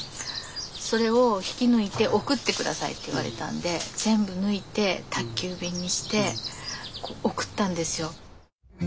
それを引き抜いて送って下さいって言われたんで全部抜いて宅急便にして送ったんですよ。